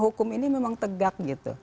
hukum ini memang tegak